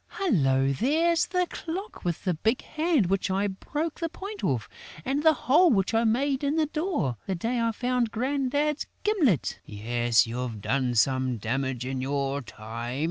Hullo, there's the clock with the big hand which I broke the point off and the hole which I made in the door, the day I found Grandad's gimlet...." "Yes, you've done some damage in your time!"